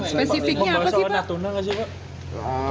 spesifiknya apa sih pak